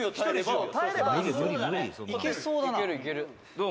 「どう？